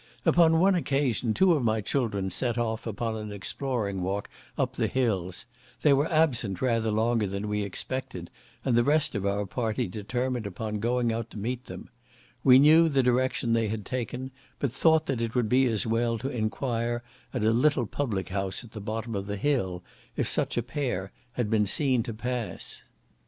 Upon one occasion two of my children set off upon an exploring walk up the hills; they were absent rather longer than we expected, and the rest of our party determined upon going out to meet them; we knew the direction they had taken, but thought it would be as well to enquire at a little public house at the bottom of the hill, if such a pair had been seen to pass.